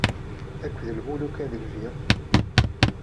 Akk d lmuluka d Nnbi.